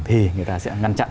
thì người ta sẽ ngăn chặn